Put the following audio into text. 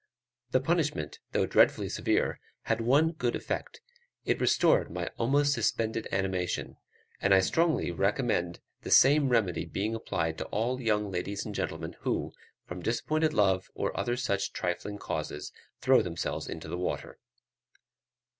The punishment, though dreadfully severe, had one good effect it restored my almost suspended animation; and I strongly recommend the same remedy being applied to all young ladies and gentlemen who, from disappointed love or other such trifling causes, throw themselves into the water.